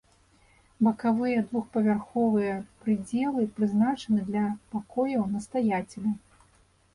Бакавыя двухпавярховыя прыдзелы прызначаны для пакояў настаяцеля.